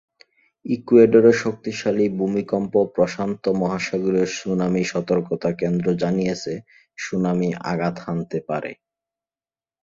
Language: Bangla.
ইকুয়েডরে শক্তিশালী ভূমিকম্পপ্রশান্ত মহাসাগরীয় সুনামি সতর্কতা কেন্দ্র জানিয়েছে, সুনামি আঘাত হানতে পারে।